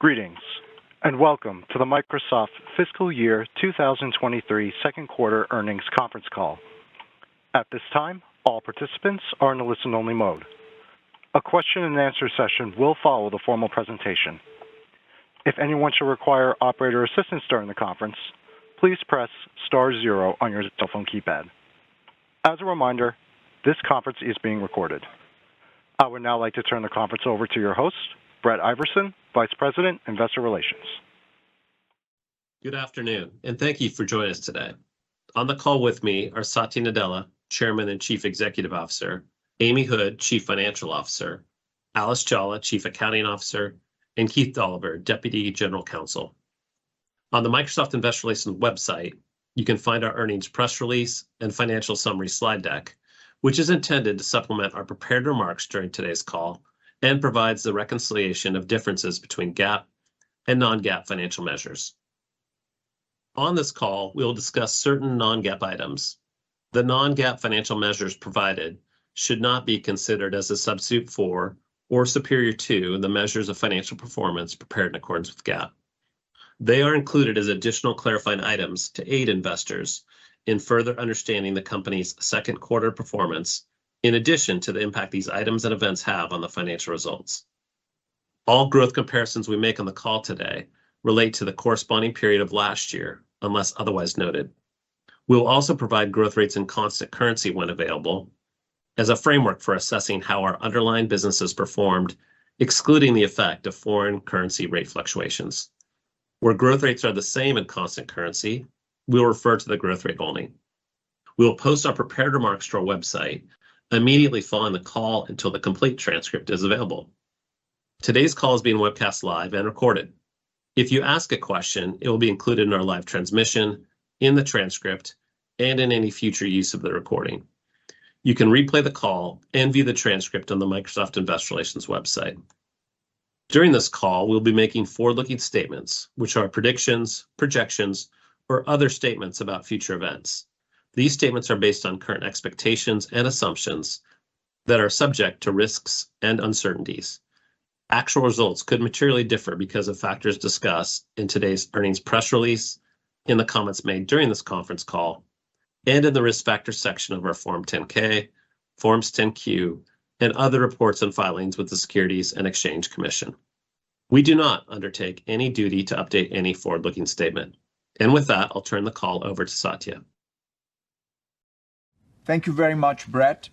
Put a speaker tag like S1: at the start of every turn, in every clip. S1: Greetings, welcome to the Microsoft fiscal year 2023 second quarter earnings conference call. At this time, all participants are in a listen-only mode. A question-and-answer session will follow the formal presentation. If anyone should require operator assistance during the conference, please press star zero on your telephone keypad. As a reminder, this conference is being recorded. I would now like to turn the conference over to your host, Brett Iversen, Vice President, Investor Relations.
S2: Good afternoon, thank you for joining us today. On the call with me are Satya Nadella, Chairman and Chief Executive Officer, Amy Hood, Chief Financial Officer, Alice Jolla, Chief Accounting Officer, and Keith Dolliver, Deputy General Counsel. On the Microsoft Investor Relations website, you can find our earnings press release and financial summary slide deck, which is intended to supplement our prepared remarks during today's call and provides the reconciliation of differences between GAAP and non-GAAP financial measures. On this call, we'll discuss certain non-GAAP items. The non-GAAP financial measures provided should not be considered as a substitute for or superior to the measures of financial performance prepared in accordance with GAAP. They are included as additional clarifying items to aid investors in further understanding the company's second quarter performance in addition to the impact these items and events have on the financial results. All growth comparisons we make on the call today relate to the corresponding period of last year, unless otherwise noted. We'll also provide growth rates and constant currency when available as a framework for assessing how our underlying businesses performed, excluding the effect of foreign currency rate fluctuations. Where growth rates are the same in constant currency, we will refer to the growth rate only. We will post our prepared remarks to our website immediately following the call until the complete transcript is available. Today's call is being webcast live and recorded. If you ask a question, it will be included in our live transmission, in the transcript, and in any future use of the recording. You can replay the call and view the transcript on the Microsoft Investor Relations website. During this call, we'll be making forward-looking statements, which are predictions, projections, or other statements about future events. These statements are based on current expectations and assumptions that are subject to risks and uncertainties. Actual results could materially differ because of factors discussed in today's earnings press release, in the comments made during this conference call, and in the Risk Factors section of our Form 10-K, Forms 10-Q, and other reports and filings with the Securities and Exchange Commission. We do not undertake any duty to update any forward-looking statement. With that, I'll turn the call over to Satya.
S3: Thank you very much, Brett.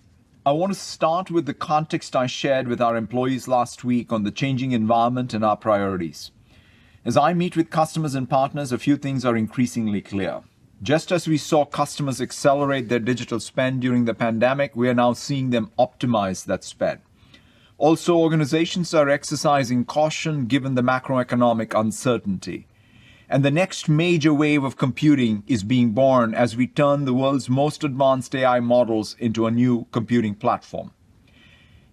S3: I want to start with the context I shared with our employees last week on the changing environment and our priorities. As I meet with customers and partners, a few things are increasingly clear. Just as we saw customers accelerate their digital spend during the pandemic, we are now seeing them optimize that spend. Also, organizations are exercising caution given the macroeconomic uncertainty. The next major wave of computing is being born as we turn the world's most advanced AI models into a new computing platform.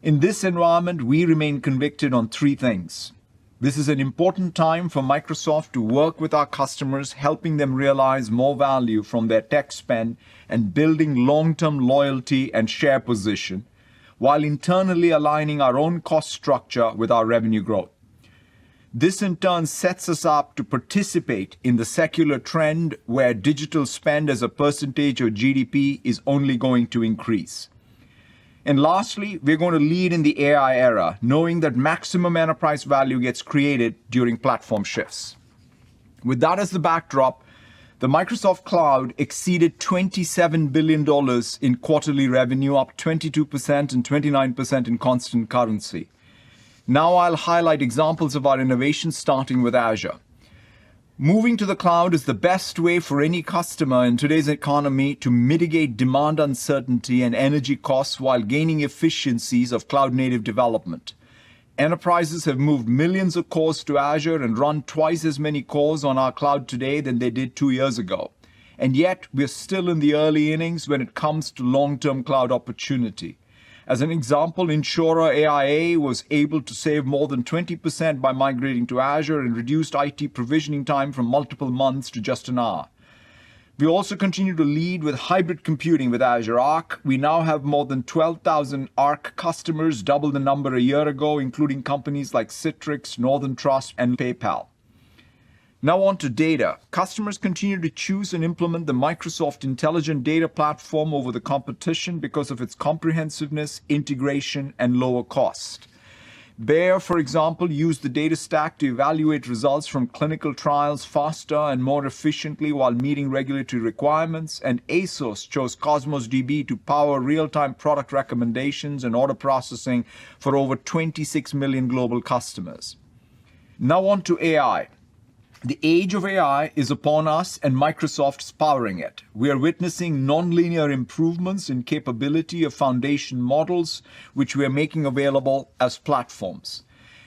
S3: In this environment, we remain convicted on three things. This is an important time for Microsoft to work with our customers, helping them realize more value from their tech spend and building long-term loyalty and share position while internally aligning our own cost structure with our revenue growth. This, in turn, sets us up to participate in the secular trend where digital spend as a percentage of GDP is only going to increase. Lastly, we're going to lead in the AI era, knowing that maximum enterprise value gets created during platform shifts. With that as the backdrop, the Microsoft Cloud exceeded $27 billion in quarterly revenue, up 22% and 29% in constant currency. I'll highlight examples of our innovation starting with Azure. Moving to the cloud is the best way for any customer in today's economy to mitigate demand uncertainty and energy costs while gaining efficiencies of cloud-native development. Enterprises have moved millions of cores to Azure and run twice as many cores on our cloud today than they did two years ago. Yet, we're still in the early innings when it comes to long-term cloud opportunity. As an example, insurer AIA was able to save more than 20% by migrating to Azure and reduced IT provisioning time from multiple months to just an hour. We also continue to lead with hybrid computing with Azure Arc. We now have more than 12,000 Arc customers, double the number a year ago, including companies like Citrix, Northern Trust, and PayPal. On to data. Customers continue to choose and implement the Microsoft Intelligent Data Platform over the competition because of its comprehensiveness, integration, and lower cost. Bayer, for example, used the data stack to evaluate results from clinical trials faster and more efficiently while meeting regulatory requirements. ASOS chose Cosmos DB to power real-time product recommendations and order processing for over 26 million global customers. On to AI. The age of AI is upon us, and Microsoft's powering it. We are witnessing nonlinear improvements in capability of foundation models, which we are making available as platforms.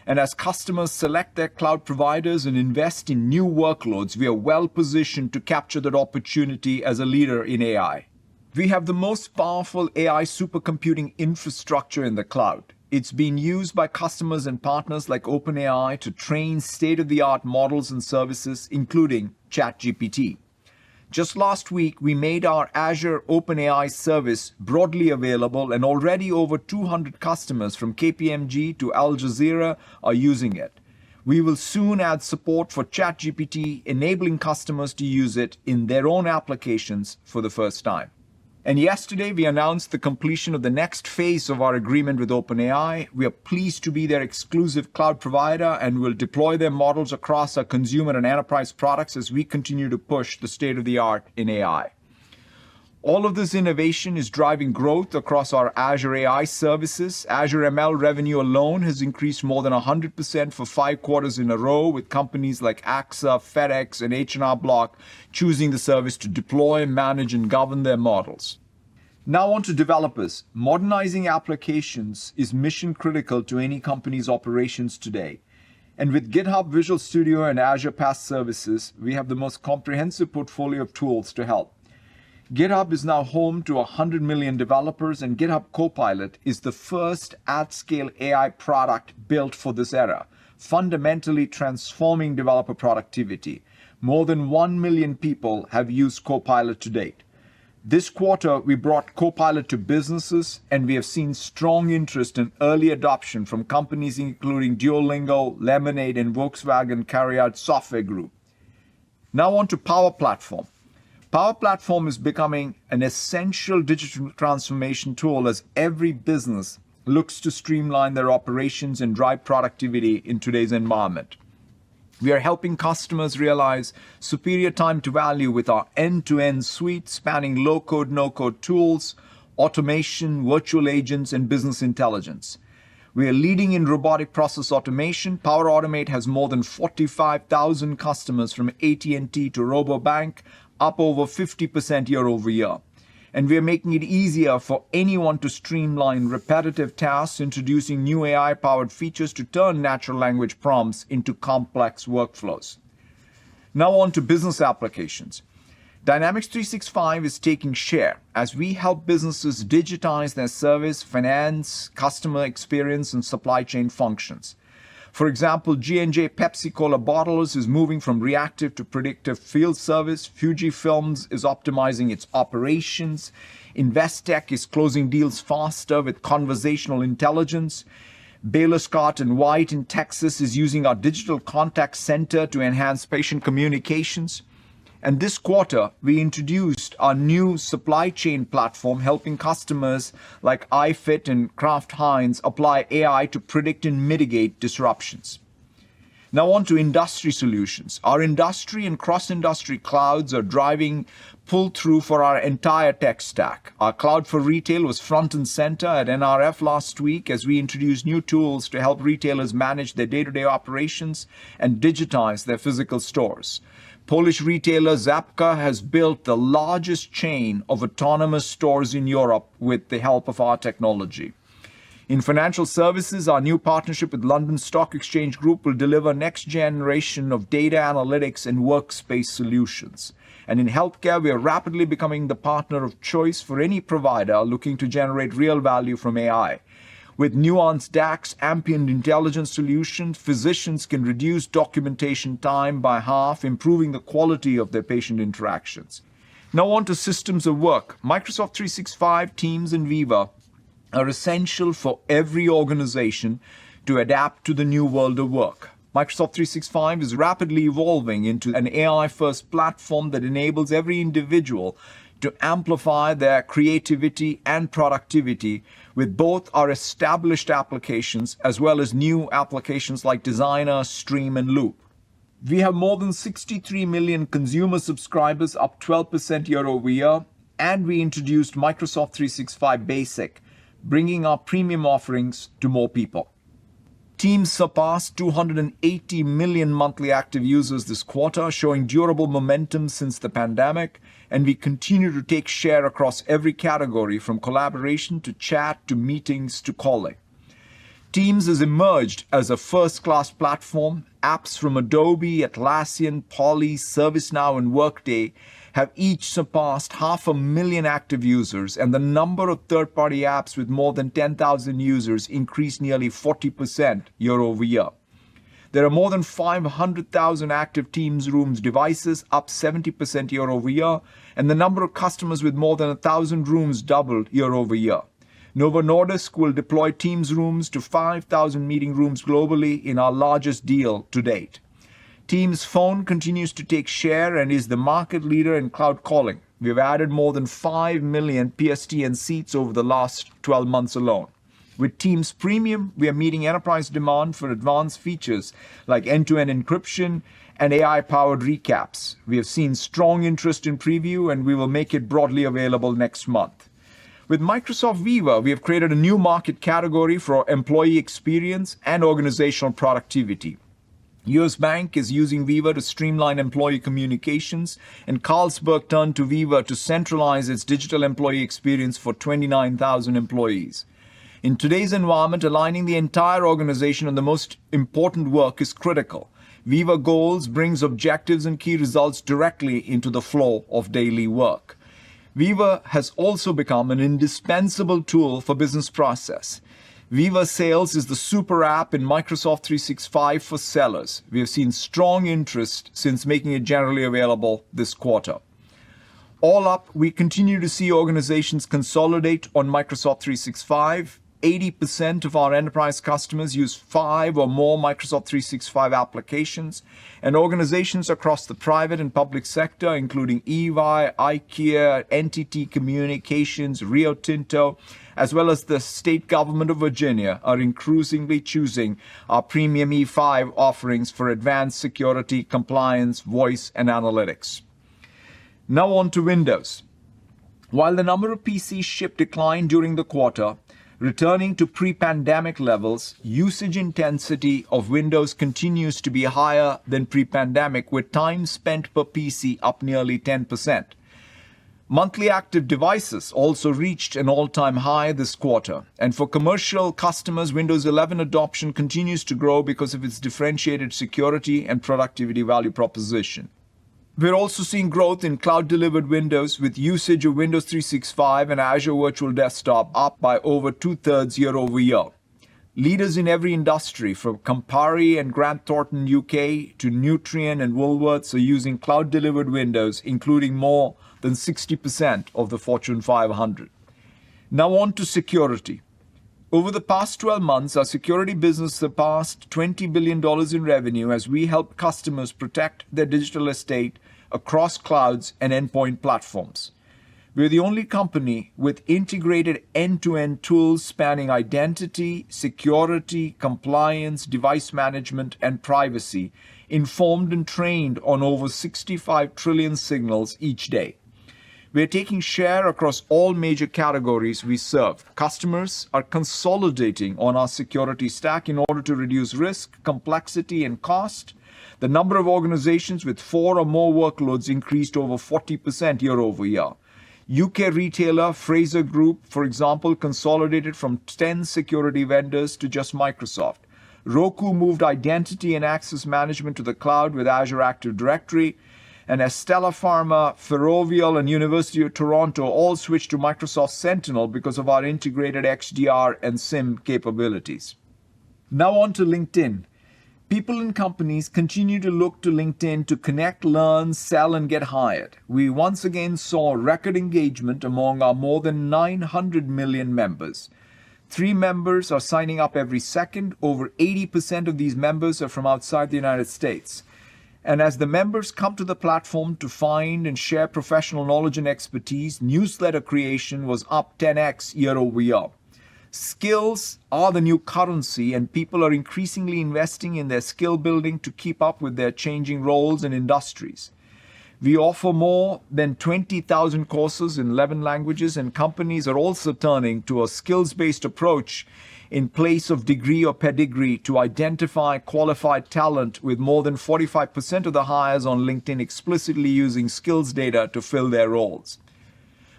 S3: As customers select their cloud providers and invest in new workloads, we are well-positioned to capture that opportunity as a leader in AI. We have the most powerful AI supercomputing infrastructure in the cloud. It's being used by customers and partners like OpenAI to train state-of-the-art models and services, including ChatGPT. Just last week, we made our Azure OpenAI Service broadly available and already over 200 customers from KPMG to Al Jazeera are using it. We will soon add support for ChatGPT, enabling customers to use it in their own applications for the first time. Yesterday, we announced the completion of the next phase of our agreement with OpenAI. We are pleased to be their exclusive cloud provider and will deploy their models across our consumer and enterprise products as we continue to push the state-of-the-art in AI. All of this innovation is driving growth across our Azure AI services. Azure ML revenue alone has increased more than 100% for 5 quarters in a row with companies like AXA, FedEx, and H&R Block choosing the service to deploy, manage, and govern their models. Now on to developers. Modernizing applications is mission critical to any company's operations today. With GitHub, Visual Studio, and Azure PaaS services, we have the most comprehensive portfolio of tools to help. GitHub is now home to 100 million developers, and GitHub Copilot is the first at-scale AI product built for this era, fundamentally transforming developer productivity. More than 1 million people have used Copilot to date. This quarter, we brought Copilot to businesses, we have seen strong interest in early adoption from companies including Duolingo, LemonAde, and Volkswagen CARIAD Software Group. On to Power Platform. Power Platform is becoming an essential digital transformation tool as every business looks to streamline their operations and drive productivity in today's environment. We are helping customers realize superior time to value with our end-to-end suite spanning low-code, no-code tools, automation, virtual agents, and business intelligence. We are leading in robotic process automation. Power Automate has more than 45,000 customers from AT&T to Rabobank, up over 50% year-over-year. We are making it easier for anyone to streamline repetitive tasks, introducing new AI-powered features to turn natural language prompts into complex workflows. On to business applications. Dynamics 365 is taking share as we help businesses digitize their service, finance, customer experience, and supply chain functions. For example, G&J Pepsi-Cola Bottlers is moving from reactive to predictive field service. Fujifilm is optimizing its operations. Investec is closing deals faster with conversational intelligence. Baylor Scott & White in Texas is using our digital contact center to enhance patient communications. This quarter, we introduced our new supply chain platform, helping customers like iFIT and Kraft Heinz apply AI to predict and mitigate disruptions. On to industry solutions. Our industry and cross-industry clouds are driving pull-through for our entire tech stack. Our Cloud for Retail was front and center at NRF last week as we introduced new tools to help retailers manage their day-to-day operations and digitize their physical stores. Polish retailer Żabka has built the largest chain of autonomous stores in Europe with the help of our technology. In financial services, our new partnership with London Stock Exchange Group will deliver next generation of data analytics and workspace solutions. In healthcare, we are rapidly becoming the partner of choice for any provider looking to generate real value from AI. With Nuance DAX ambient intelligence solution, physicians can reduce documentation time by half, improving the quality of their patient interactions. On to systems of work. Microsoft 365, Teams, and Viva are essential for every organization to adapt to the new world of work. Microsoft 365 is rapidly evolving into an AI-first platform that enables every individual to amplify their creativity and productivity with both our established applications as well as new applications like Designer, Stream, and Loop. We have more than 63 million consumer subscribers, up 12% year-over-year. We introduced Microsoft 365 Basic, bringing our premium offerings to more people. Teams surpassed 280 million monthly active users this quarter, showing durable momentum since the pandemic. We continue to take share across every category from collaboration, to chat, to meetings, to calling. Teams has emerged as a first-class platform. Apps from Adobe, Atlassian, Poly, ServiceNow, and Workday have each surpassed half a million active users. The number of third-party apps with more than 10,000 users increased nearly 40% year over year. There are more than 500,000 active Teams Rooms devices, up 70% year over year. The number of customers with more than 1,000 rooms doubled year over year. Novo Nordisk will deploy Teams Rooms to 5,000 meeting rooms globally in our largest deal to date. Teams Phone continues to take share and is the market leader in cloud calling. We have added more than 5 million PSTN seats over the last 12 months alone. With Teams Premium, we are meeting enterprise demand for advanced features like end-to-end encryption and AI-powered recaps. We have seen strong interest in preview, and we will make it broadly available next month. With Microsoft Viva, we have created a new market category for employee experience and organizational productivity. U.S. Bank is using Viva to streamline employee communications, and Carlsberg turned to Viva to centralize its digital employee experience for 29,000 employees. In today's environment, aligning the entire organization on the most important work is critical. Viva Goals brings objectives and key results directly into the flow of daily work. Viva has also become an indispensable tool for business process. Viva Sales is the super app in Microsoft 365 for sellers. We have seen strong interest since making it generally available this quarter. All up, we continue to see organizations consolidate on Microsoft 365. 80% of our enterprise customers use five or more Microsoft 365 applications, and organizations across the private and public sector, including EY, IKEA, NTT Communications, Rio Tinto, as well as the state government of Virginia, are increasingly choosing our premium E5 offerings for advanced security, compliance, voice, and analytics. On to Windows. While the number of PC ship declined during the quarter, returning to pre-pandemic levels, usage intensity of Windows continues to be higher than pre-pandemic, with time spent per PC up nearly 10%. Monthly active devices also reached an all-time high this quarter. Windows 11 adoption continues to grow because of its differentiated security and productivity value proposition. We're also seeing growth in cloud-delivered Windows with usage of Windows 365 and Azure Virtual Desktop up by over two-thirds year-over-year. Leaders in every industry from Campari and Grant Thornton U.K. to Nutrien and Woolworths are using cloud-delivered Windows, including more than 60% of the Fortune 500. On to security. Over the past 12 months, our security business surpassed $20 billion in revenue as we help customers protect their digital estate across clouds and endpoint platforms. We are the only company with integrated end-to-end tools spanning identity, security, compliance, device management, and privacy, informed and trained on over 65 trillion signals each day. We are taking share across all major categories we serve. Customers are consolidating on our security stack in order to reduce risk, complexity, and cost. The number of organizations with four or more workloads increased over 40% year-over-year. U.K. retailer Frasers Group, for example, consolidated from 10 security vendors to just Microsoft. Roku moved identity and access management to the cloud with Microsoft Entra ID. Astellas Pharma, Ferrovial, and University of Toronto all switched to Microsoft Sentinel because of our integrated XDR and SIEM capabilities. Now on to LinkedIn. People in companies continue to look to LinkedIn to connect, learn, sell, and get hired. We once again saw record engagement among our more than 900 million members. Three members are signing up every second. Over 80% of these members are from outside the U.S. As the members come to the platform to find and share professional knowledge and expertise, newsletter creation was up 10x year-over-year. Skills are the new currency, and people are increasingly investing in their skill building to keep up with their changing roles and industries. We offer more than 20,000 courses in 11 languages, and companies are also turning to a skills-based approach in place of degree or pedigree to identify qualified talent with more than 45% of the hires on LinkedIn explicitly using skills data to fill their roles.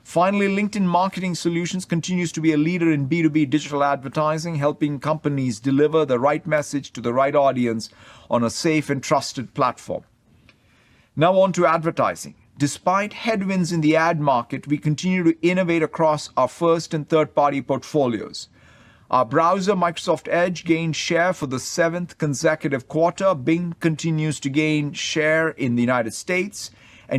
S3: Finally, LinkedIn Marketing Solutions continues to be a leader in B2B digital advertising, helping companies deliver the right message to the right audience on a safe and trusted platform. On to advertising. Despite headwinds in the ad market, we continue to innovate across our first and third-party portfolios. Our browser, Microsoft Edge, gained share for the seventh consecutive quarter. Bing continues to gain share in the United States,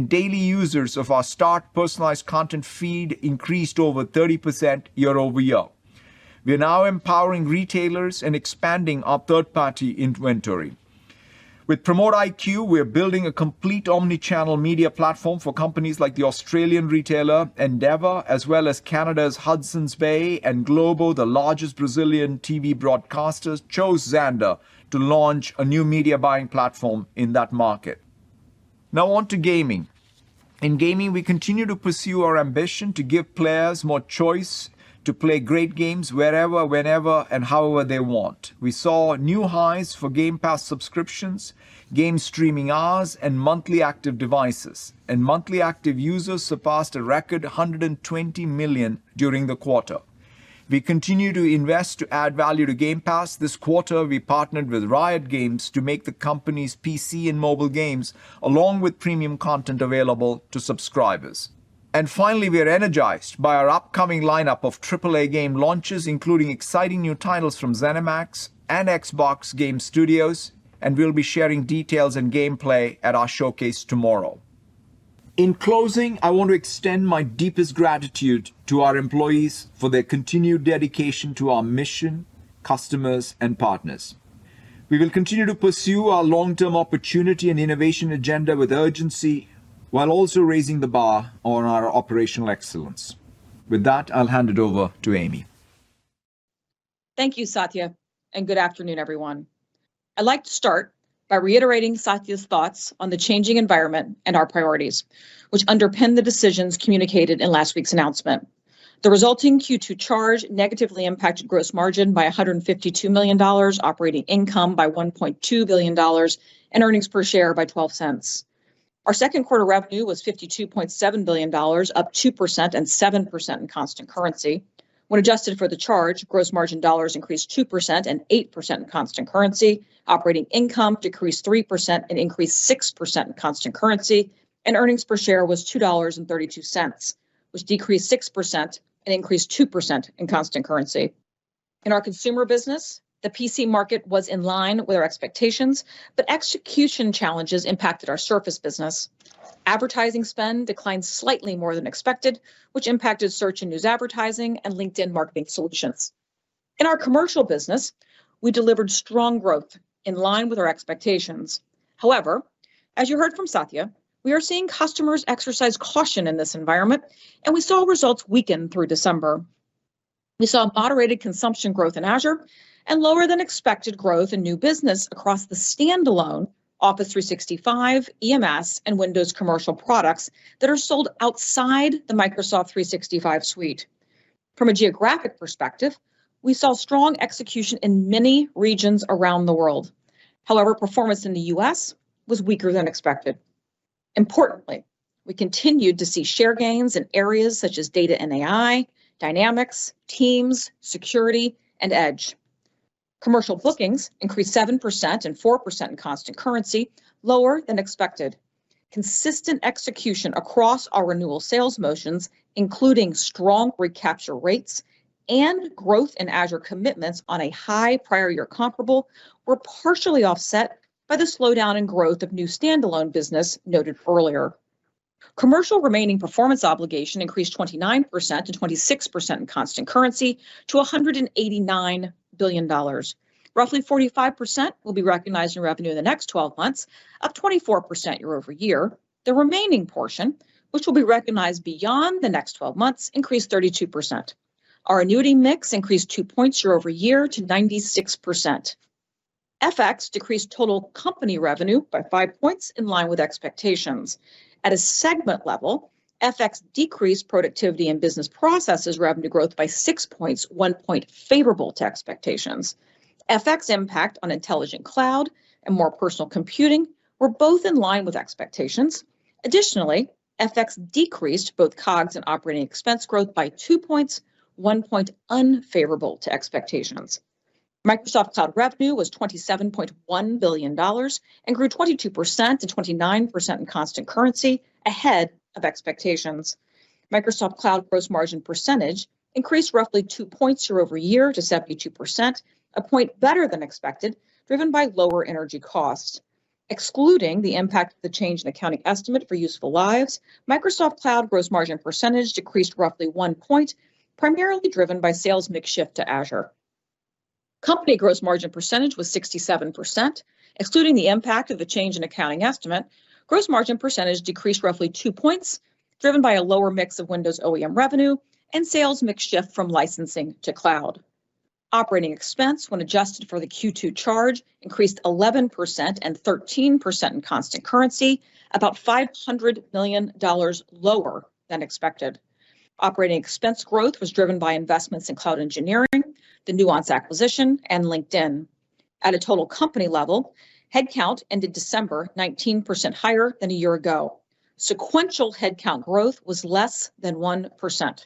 S3: Daily users of our start personalized content feed increased over 30% year-over-year. We are now empowering retailers and expanding our third-party inventory. With PromoteIQ, we are building a complete omni-channel media platform for companies like the Australian retailer Endeavour, as well as Canada's Hudson's Bay and Globo, the largest Brazilian TV broadcasters, chose Xandr to launch a new media buying platform in that market. Now on to gaming. In gaming, we continue to pursue our ambition to give players more choice to play great games wherever, whenever, and however they want. We saw new highs for Game Pass subscriptions, game streaming hours, and monthly active devices. Monthly active users surpassed a record 120 million during the quarter. We continue to invest to add value to Game Pass. This quarter, we partnered with Riot Games to make the company's PC and mobile games, along with premium content available to subscribers. Finally, we are energized by our upcoming lineup of triple A game launches, including exciting new titles from ZeniMax and Xbox Game Studios, and we'll be sharing details and gameplay at our showcase tomorrow. In closing, I want to extend my deepest gratitude to our employees for their continued dedication to our mission, customers, and partners. We will continue to pursue our long-term opportunity and innovation agenda with urgency while also raising the bar on our operational excellence. With that, I'll hand it over to Amy.
S4: Thank you, Satya. Good afternoon, everyone. I'd like to start by reiterating Satya's thoughts on the changing environment and our priorities, which underpin the decisions communicated in last week's announcement. The resulting Q2 charge negatively impacted gross margin by $152 million, operating income by $1.2 billion, and earnings per share by $0.12. Our second quarter revenue was $52.7 billion, up 2% and 7% in constant currency. When adjusted for the charge, gross margin dollars increased 2% and 8% in constant currency. Operating income decreased 3% and increased 6% in constant currency, and earnings per share was $2.32, which decreased 6% and increased 2% in constant currency. In our consumer business, the PC market was in line with our expectations, but execution challenges impacted our Surface business. Advertising spend declined slightly more than expected, which impacted search and news advertising and LinkedIn Marketing Solutions. Our commercial business, we delivered strong growth in line with our expectations. As you heard from Satya, we are seeing customers exercise caution in this environment, and we saw results weaken through December. We saw moderated consumption growth in Azure and lower than expected growth in new business across the standalone Office 365, EMS, and Windows commercial products that are sold outside the Microsoft 365 suite. From a geographic perspective, we saw strong execution in many regions around the world. Performance in the U.S. was weaker than expected. Importantly, we continued to see share gains in areas such as data and AI, Dynamics, Teams, security and Edge. Commercial bookings increased 7% and 4% in constant currency, lower than expected. Consistent execution across our renewal sales motions, including strong recapture rates and growth in Azure commitments on a high prior year comparable, were partially offset by the slowdown in growth of new standalone business noted earlier. Commercial remaining performance obligation increased 29% to 26% in constant currency to $189 billion. Roughly 45% will be recognized in revenue in the next 12 months, up 24% year-over-year. The remaining portion, which will be recognized beyond the next 12 months, increased 32%. Our annuity mix increased 2 points year-over-year to 96%. FX decreased total company revenue by 5 points in line with expectations. At a segment level, FX decreased Productivity and Business Processes revenue growth by 6 points, 1 point favorable to expectations. FX impact on Intelligent Cloud and More Personal Computing were both in line with expectations. FX decreased both COGS and operating expense growth by two points, one point unfavorable to expectations. Microsoft Cloud revenue was $27.1 billion and grew 22%-29% in constant currency ahead of expectations. Microsoft Cloud gross margin percentage increased roughly two points year-over-year to 72%, a point better than expected, driven by lower energy costs. Excluding the impact of the change in accounting estimate for useful lives, Microsoft Cloud gross margin percentage decreased roughly one point, primarily driven by sales mix shift to Azure. Company gross margin percentage was 67%, excluding the impact of the change in accounting estimate. Gross margin percentage decreased roughly two points, driven by a lower mix of Windows OEM revenue and sales mix shift from licensing to cloud. Operating expense, when adjusted for the Q2 charge, increased 11% and 13% in constant currency, about $500 million lower than expected. Operating expense growth was driven by investments in cloud engineering, the Nuance acquisition, and LinkedIn. At a total company level, headcount ended December 19% higher than a year ago. Sequential headcount growth was less than 1%.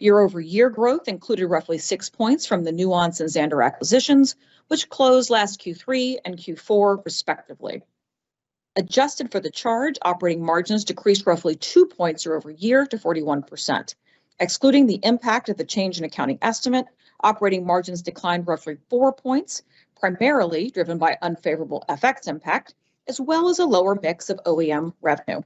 S4: Year-over-year growth included roughly six points from the Nuance and Xandr acquisitions, which closed last Q3 and Q4 respectively. Adjusted for the charge, operating margins decreased roughly two points year-over-year to 41%. Excluding the impact of the change in accounting estimate, operating margins declined roughly four points, primarily driven by unfavorable FX impact, as well as a lower mix of OEM revenue.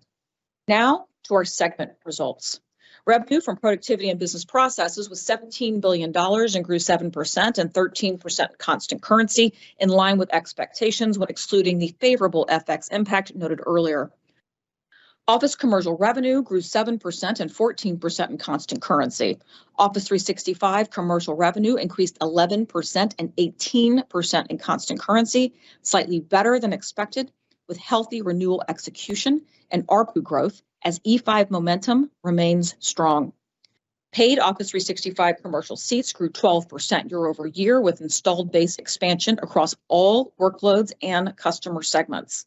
S4: To our segment results. Revenue from productivity and business processes was $17 billion and grew 7% and 13% constant currency in line with expectations when excluding the favorable FX impact noted earlier. Office Commercial revenue grew 7% and 14% in constant currency. Office 365 Commercial revenue increased 11% and 18% in constant currency, slightly better than expected, with healthy renewal execution and ARPU growth as E5 momentum remains strong. Paid Office 365 Commercial seats grew 12% year-over-year with installed base expansion across all workloads and customer segments.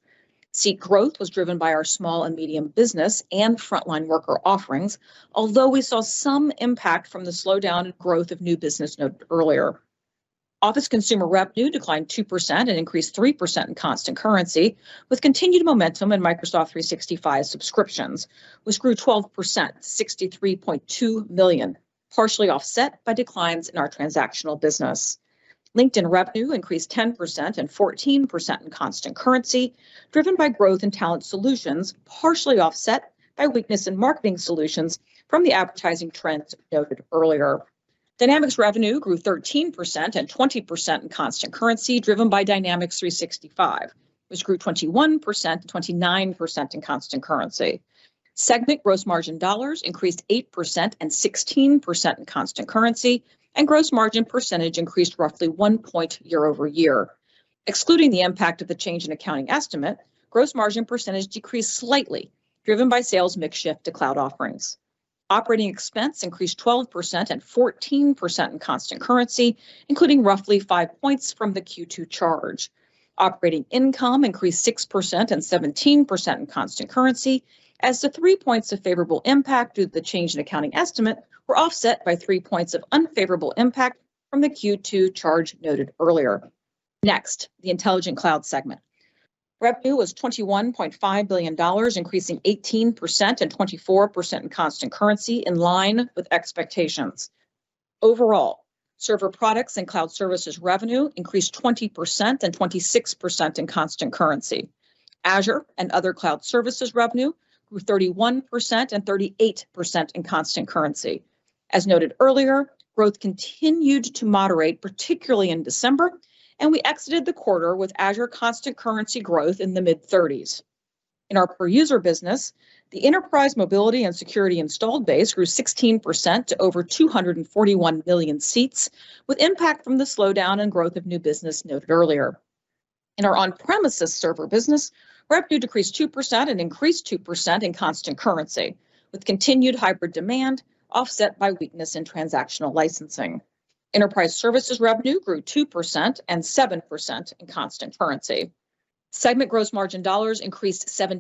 S4: Seat growth was driven by our small and medium business and frontline worker offerings. Although we saw some impact from the slowdown in growth of new business noted earlier. Office consumer revenue declined 2% and increased 3% in constant currency, with continued momentum in Microsoft 365 subscriptions, which grew 12%, $63.2 million, partially offset by declines in our transactional business. LinkedIn revenue increased 10% and 14% in constant currency, driven by growth in talent solutions, partially offset by weakness in marketing solutions from the advertising trends noted earlier. Dynamics revenue grew 13% and 20% in constant currency, driven by Dynamics 365, which grew 21%-29% in constant currency. Segment gross margin dollars increased 8% and 16% in constant currency, and gross margin percentage increased roughly 1 point year-over-year. Excluding the impact of the change in accounting estimate, gross margin percentage decreased slightly, driven by sales mix shift to cloud offerings. Operating expense increased 12% and 14% in constant currency, including roughly 5 points from the Q2 charge. Operating income increased 6% and 17% in constant currency as the 3 points of favorable impact due to the change in accounting estimate were offset by 3 points of unfavorable impact from the Q2 charge noted earlier. Next, the Intelligent Cloud segment. Revenue was $21.5 billion, increasing 18% and 24% in constant currency in line with expectations. Overall, server products and cloud services revenue increased 20% and 26% in constant currency. Azure and other cloud services revenue grew 31% and 38% in constant currency. As noted earlier, growth continued to moderate, particularly in December, and we exited the quarter with Azure constant currency growth in the mid-30s. In our per user business, the Enterprise Mobility + Security installed base grew 16% to over 241 million seats, with impact from the slowdown and growth of new business noted earlier. In our on-premises server business, revenue decreased 2% and increased 2% in constant currency, with continued hybrid demand offset by weakness in transactional licensing. Enterprise services revenue grew 2% and 7% in constant currency. Segment gross margin dollars increased 17%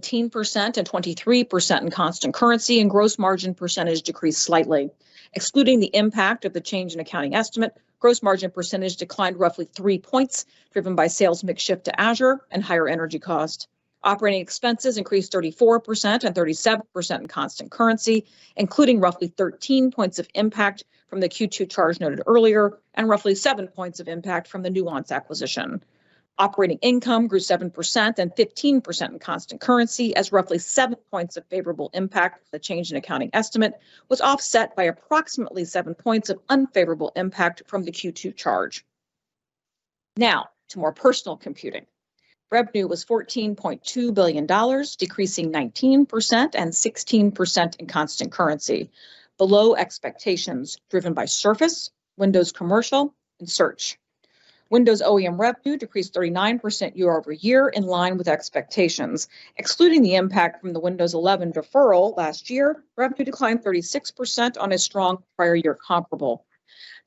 S4: and 23% in constant currency, and gross margin percentage decreased slightly. Excluding the impact of the change in accounting estimate, gross margin percentage declined roughly 3 points, driven by sales mix shift to Azure and higher energy cost. Operating expenses increased 34% and 37% in constant currency, including roughly 13 points of impact from the Q2 charge noted earlier and roughly 7 points of impact from the Nuance acquisition. Operating income grew 7% and 15% in constant currency as roughly 7 points of favorable impact with a change in accounting estimate was offset by approximately 7 points of unfavorable impact from the Q2 charge. Now to more personal computing. Revenue was $14.2 billion, decreasing 19% and 16% in constant currency. Below expectations driven by Surface, Windows Commercial, and Search. Windows OEM revenue decreased 39% year-over-year in line with expectations. Excluding the impact from the Windows 11 deferral last year, revenue declined 36% on a strong prior year comparable.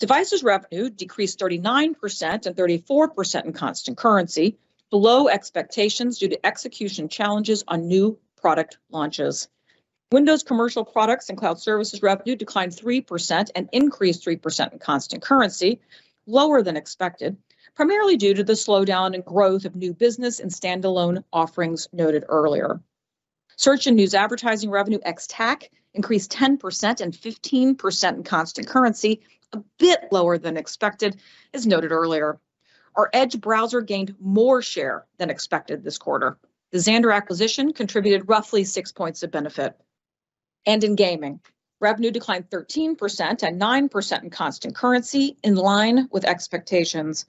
S4: Devices revenue decreased 39% and 34% in constant currency below expectations due to execution challenges on new product launches. Windows Commercial Products and Cloud Services revenue declined 3% and increased 3% in constant currency, lower than expected, primarily due to the slowdown in growth of new business and standalone offerings noted earlier. Search and news advertising revenue ex TAC increased 10% and 15% in constant currency, a bit lower than expected as noted earlier. Our Edge browser gained more share than expected this quarter. The Xandr acquisition contributed roughly six points of benefit. In gaming, revenue declined 13% and 9% in constant currency in line with expectations.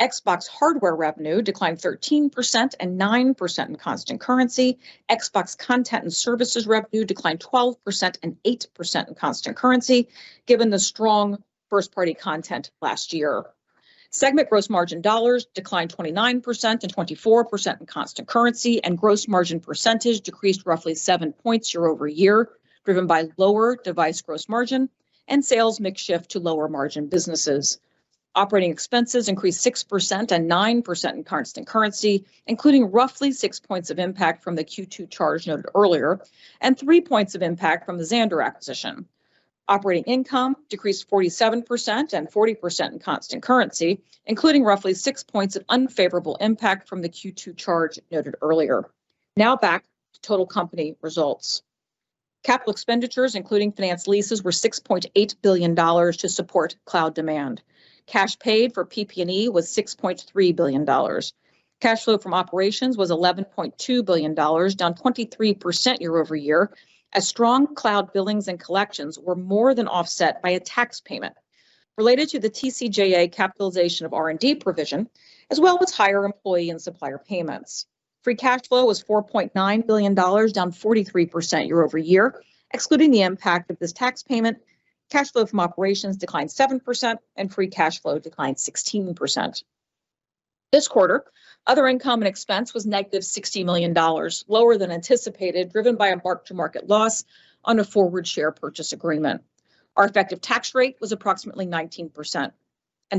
S4: Xbox hardware revenue declined 13% and 9% in constant currency. Xbox content and services revenue declined 12% and 8% in constant currency, given the strong first-party content last year. Segment gross margin dollars declined 29% and 24% in constant currency. Gross margin percentage decreased roughly 7 points year-over-year, driven by lower device gross margin and sales mix shift to lower margin businesses. Operating expenses increased 6% and 9% in constant currency, including roughly 6 points of impact from the Q2 charge noted earlier. Three points of impact from the Xandr acquisition. Operating income decreased 47% and 40% in constant currency, including roughly 6 points of unfavorable impact from the Q2 charge noted earlier. Now back to total company results. Capital expenditures, including finance leases, were $6.8 billion to support cloud demand. Cash paid for PP&E was $6.3 billion. Cash flow from operations was $11.2 billion, down 23% year-over-year, as strong cloud billings and collections were more than offset by a tax payment related to the TCJA capitalization of R&D provision, as well as higher employee and supplier payments. Free cash flow was $4.9 billion, down 43% year-over-year. Excluding the impact of this tax payment, cash flow from operations declined 7% and free cash flow declined 16%. This quarter, other income and expense was negative $60 million, lower than anticipated, driven by a mark-to-market loss on a forward share purchase agreement. Our effective tax rate was approximately 19%.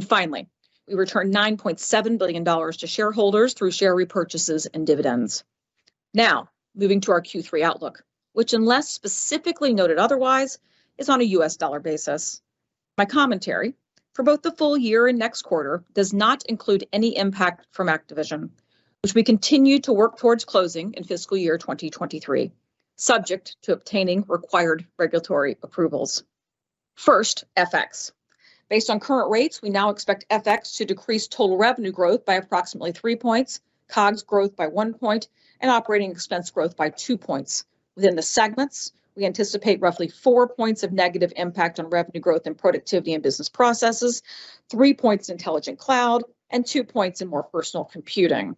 S4: Finally, we returned $9.7 billion to shareholders through share repurchases and dividends. Now, moving to our Q3 outlook, which unless specifically noted otherwise, is on a U.S. dollar basis. My commentary for both the full year and next quarter does not include any impact from Activision, which we continue to work towards closing in fiscal year 2023, subject to obtaining required regulatory approvals. First, FX. Based on current rates, we now expect FX to decrease total revenue growth by approximately 3 points, COGS growth by 1 point, and operating expense growth by 2 points. Within the segments, we anticipate roughly 4 points of negative impact on revenue growth and Productivity and Business Processes, 3 points Intelligent Cloud, and 2 points in More Personal Computing.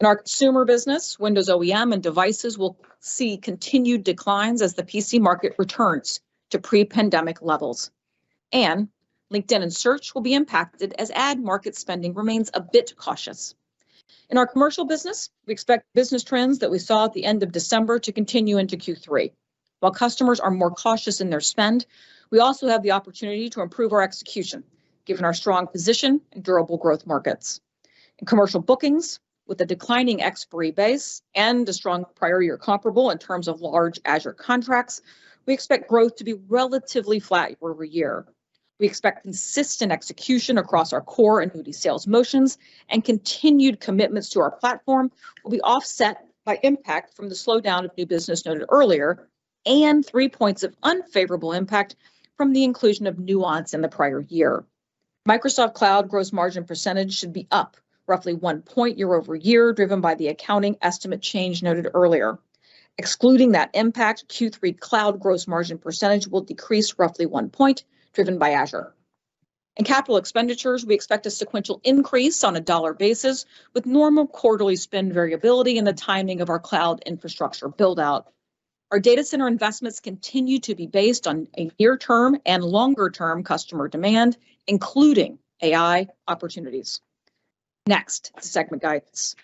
S4: In our consumer business, Windows OEM and devices will see continued declines as the PC market returns to pre-pandemic levels. LinkedIn and Search will be impacted as ad market spending remains a bit cautious. In our commercial business, we expect business trends that we saw at the end of December to continue into Q3. While customers are more cautious in their spend, we also have the opportunity to improve our execution, given our strong position in durable growth markets. In commercial bookings, with a declining expiry base and a strong prior year comparable in terms of large Azure contracts, we expect growth to be relatively flat year-over-year. We expect consistent execution across our core annuity sales motions and continued commitments to our platform will be offset by impact from the slowdown of new business noted earlier and 3 points of unfavorable impact from the inclusion of Nuance in the prior year. Microsoft Cloud gross margin percentage should be up roughly 1 point year-over-year, driven by the accounting estimate change noted earlier. Excluding that impact, Q3 cloud gross margin percent will decrease roughly one point driven by Azure. In capital expenditures, we expect a sequential increase on a dollar basis with normal quarterly spend variability in the timing of our cloud infrastructure build-out. Our data center investments continue to be based on a near term and longer-term customer demand, including AI opportunities. Segment guidance.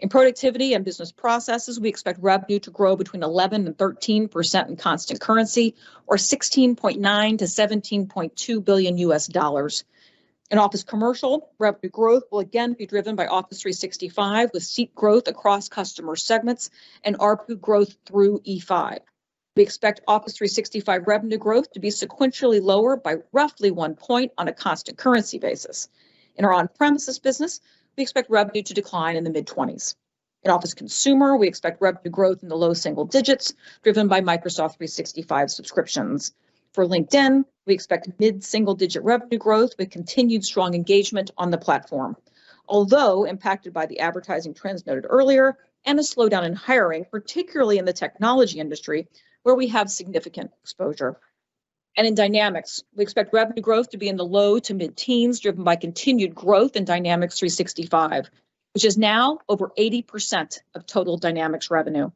S4: In productivity and business processes, we expect revenue to grow between 11%-13% in constant currency or $16.9 billion-$17.2 billion. In Office Commercial, revenue growth will again be driven by Office 365 with seat growth across customer segments and ARPU growth through E5. We expect Office 365 revenue growth to be sequentially lower by roughly one point on a constant currency basis. In our on-premises business, we expect revenue to decline in the mid-20s. In Office Consumer, we expect revenue growth in the low single digits, driven by Microsoft 365 subscriptions. For LinkedIn, we expect mid-single digit revenue growth with continued strong engagement on the platform. Although impacted by the advertising trends noted earlier and a slowdown in hiring, particularly in the technology industry, where we have significant exposure. In Dynamics, we expect revenue growth to be in the low to mid-teens, driven by continued growth in Dynamics 365, which is now over 80% of total Dynamics revenue.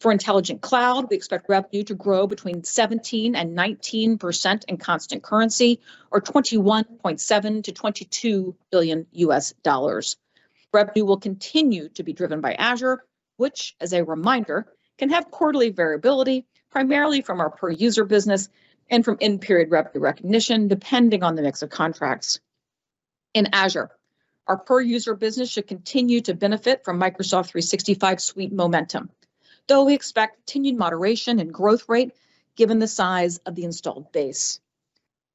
S4: For Intelligent Cloud, we expect revenue to grow between 17% and 19% in constant currency or $21.7 billion-$22 billion. Revenue will continue to be driven by Azure, which as a reminder, can have quarterly variability, primarily from our per user business and from in-period revenue recognition, depending on the mix of contracts. In Azure, our per user business should continue to benefit from Microsoft 365 suite momentum, though we expect continued moderation in growth rate given the size of the installed base.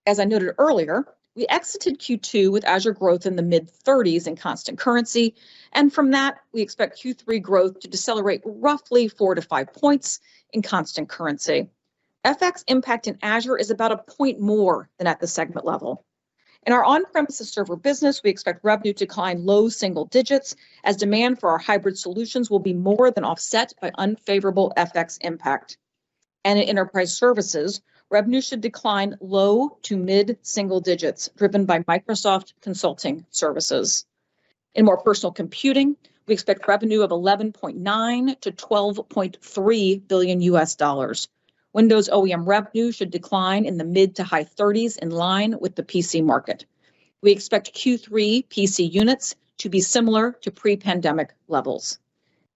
S4: As I noted earlier, we exited Q2 with Azure growth in the mid-thirties in constant currency. From that, we expect Q3 growth to decelerate roughly 4-5 points in constant currency. FX impact in Azure is about a point more than at the segment level. In our on-premises server business, we expect revenue to decline low single digits as demand for our hybrid solutions will be more than offset by unfavorable FX impact. In enterprise services, revenue should decline low to mid-single digits, driven by Microsoft Consulting Services. In more personal computing, we expect revenue of $11.9 billion-$12.3 billion. Windows OEM revenue should decline in the mid-30s to high-30s in line with the PC market. We expect Q3 PC units to be similar to pre-pandemic levels.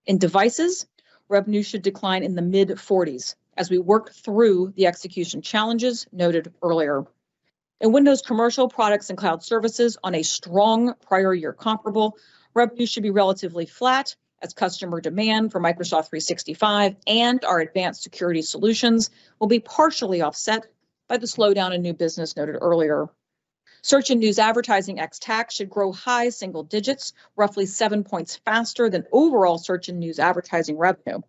S4: In devices, revenue should decline in the mid-40s as we work through the execution challenges noted earlier. In Windows commercial products and cloud services on a strong prior year comparable, revenue should be relatively flat as customer demand for Microsoft 365 and our advanced security solutions will be partially offset by the slowdown in new business noted earlier. Search and news advertising ex-tax should grow high-single digits, roughly 7 points faster than overall search and news advertising revenue,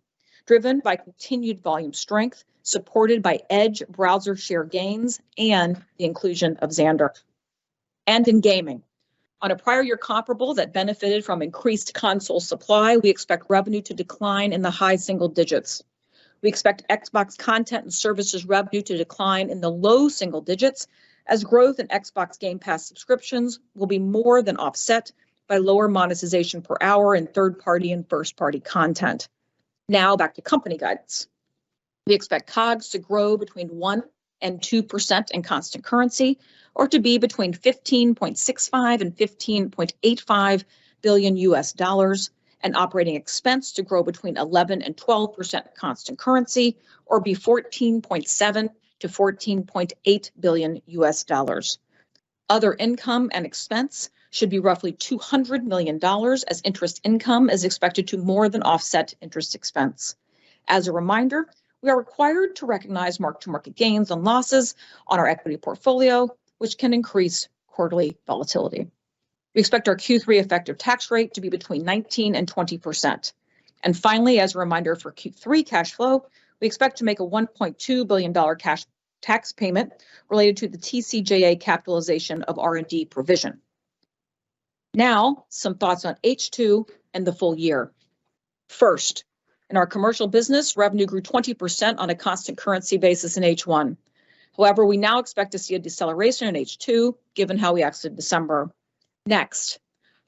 S4: driven by continued volume strength, supported by Edge browser share gains and the inclusion of Xandr. In gaming, on a prior year comparable that benefited from increased console supply, we expect revenue to decline in the high-single digits. We expect Xbox content and services revenue to decline in the low single digits as growth in Xbox Game Pass subscriptions will be more than offset by lower monetization per hour in third-party and first-party content. Back to company guidance. We expect COGS to grow between 1% and 2% in constant currency or to be between $15.65 billion and $15.85 billion and operating expense to grow between 11% and 12% constant currency or be $14.7 billion to $14.8 billion. Other income and expense should be roughly $200 million as interest income is expected to more than offset interest expense. As a reminder, we are required to recognize mark-to-market gains and losses on our equity portfolio, which can increase quarterly volatility. We expect our Q3 effective tax rate to be between 19% and 20%. Finally, as a reminder for Q3 cash flow, we expect to make a $1.2 billion cash tax payment related to the TCJA capitalization of R&D provision. Some thoughts on H2 and the full year. First, in our commercial business, revenue grew 20% on a constant currency basis in H1. However, we now expect to see a deceleration in H2, given how we exited December.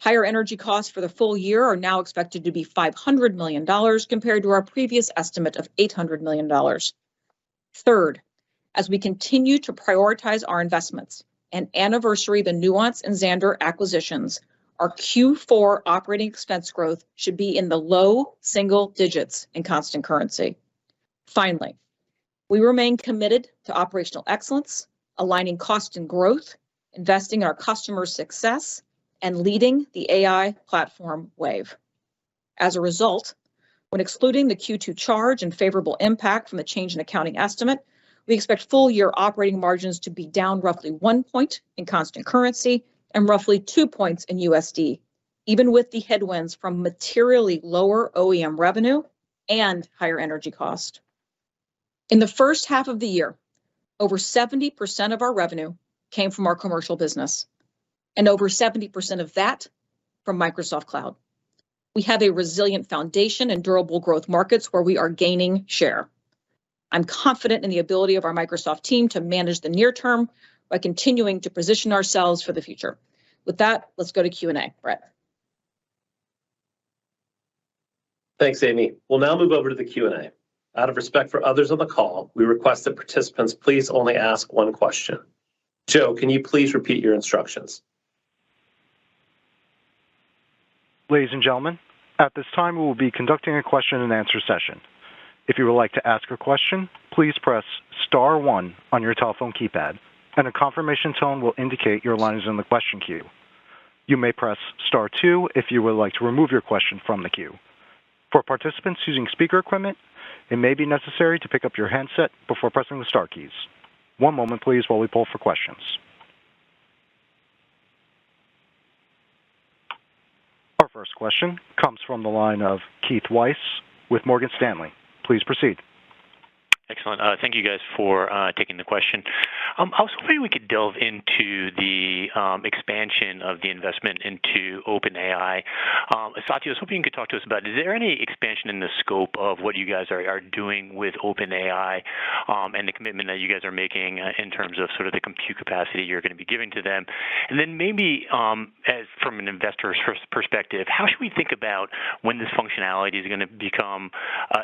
S4: Higher energy costs for the full year are now expected to be $500 million compared to our previous estimate of $800 million. Third, as we continue to prioritize our investments and anniversary the Nuance and Xandr acquisitions, our Q4 operating expense growth should be in the low single digits in constant currency. Finally, we remain committed to operational excellence, aligning cost and growth, investing in our customer success, and leading the AI platform wave. As a result, when excluding the Q2 charge and favorable impact from the change in accounting estimate, we expect full year operating margins to be down roughly 1 point in constant currency and roughly 2 points in USD, even with the headwinds from materially lower OEM revenue and higher energy cost. In the first half of the year, over 70% of our revenue came from our commercial business, and over 70% of that from Microsoft Cloud. We have a resilient foundation and durable growth markets where we are gaining share. I'm confident in the ability of our Microsoft team to manage the near term by continuing to position ourselves for the future. With that, let's go to Q&A. Brett.
S2: Thanks, Amy. We'll now move over to the Q&A. Out of respect for others on the call, we request that participants please only ask one question. Joe, can you please repeat your instructions?
S1: Ladies and gentlemen, at this time, we will be conducting a question and answer session. If you would like to ask a question, please press star one on your telephone keypad and a confirmation tone will indicate your line is in the question queue. You may press star two if you would like to remove your question from the queue. For participants using speaker equipment, it may be necessary to pick up your handset before pressing the star keys. One moment, please, while we poll for questions. Our first question comes from the line of Keith Weiss with Morgan Stanley. Please proceed.
S5: Excellent. Thank you guys for taking the question. I was hoping we could delve into the expansion of the investment into OpenAI. Satya, I was hoping you could talk to us about is there any expansion in the scope of what you guys are doing with OpenAI, and the commitment that you guys are making in terms of sort of the compute capacity you're gonna be giving to them? Maybe, as from an investor's perspective, how should we think about when this functionality is gonna become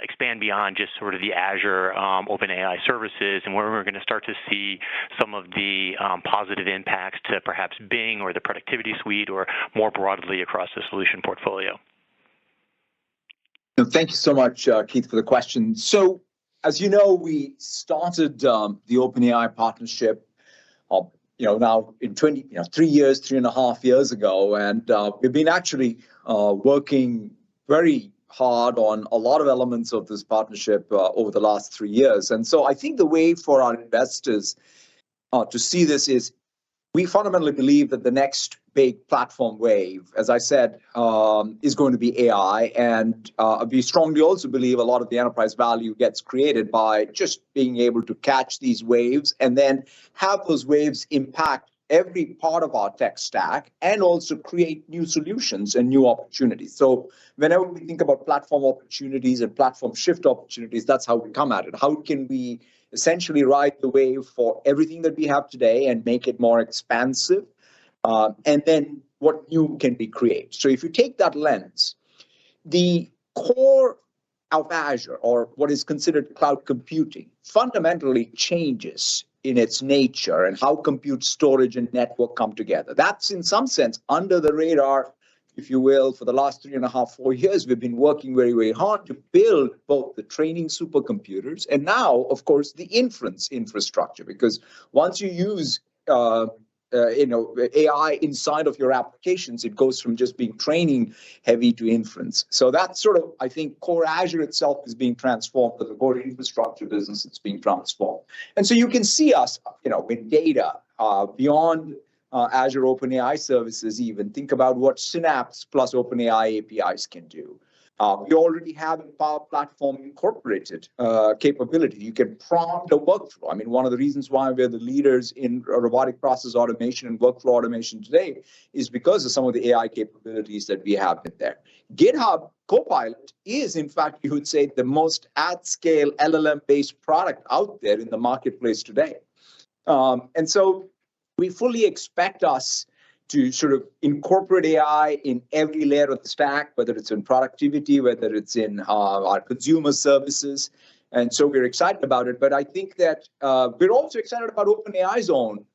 S5: expand beyond just sort of the Azure OpenAI Service and when we're gonna start to see some of the positive impacts to perhaps Bing or the productivity suite or more broadly across the solution portfolio?
S3: Thank you so much, Keith, for the question. As you know, we started the OpenAI partnership, you know, now in 3 years, 3.5 years ago. We've been actually working very hard on a lot of elements of this partnership over the last 3 years. I think the way for our investors to see this is we fundamentally believe that the next big platform wave, as I said, is going to be AI. We strongly also believe a lot of the enterprise value gets created by just being able to catch these waves and then have those waves impact every part of our tech stack and also create new solutions and new opportunities. Whenever we think about platform opportunities and platform shift opportunities, that's how we come at it. How can we essentially ride the wave for everything that we have today and make it more expansive, what new can be created? If you take that lens, the core of Azure or what is considered cloud computing fundamentally changes in its nature and how compute storage and network come together. That's in some sense under the radar, if you will, for the last three and a half, four years, we've been working very, very hard to build both the training supercomputers and now of course the inference infrastructure. Because once you use, you know, AI inside of your applications, it goes from just being training heavy to inference. That's sort of I think core Azure itself is being transformed as a core infrastructure business, it's being transformed. You can see us, you know, with data beyond Azure OpenAI Service even. Think about what Synapse plus OpenAI APIs can do. We already have in Power Platform incorporated capability. You can prompt a workflow. I mean, one of the reasons why we are the leaders in robotic process automation and workflow automation today is because of some of the AI capabilities that we have in there. GitHub Copilot is in fact you would say the most at scale LLM-based product out there in the marketplace today. We fully expect us to sort of incorporate AI in every layer of the stack, whether it's in productivity, whether it's in our consumer services, and so we're excited about it. I think that we're also excited about OpenAI's own